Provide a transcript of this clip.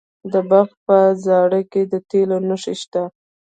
د بلخ په زاري کې د تیلو نښې شته.